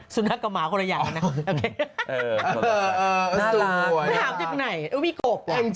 สุนัขกับหมาคนละอย่างนะ